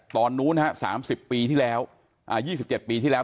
ตอนนู้นฮะสามสิบปีที่แล้วอ่ายี่สิบเจ็ดปีที่แล้ว